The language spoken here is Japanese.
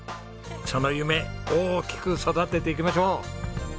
その夢大きく育てていきましょう。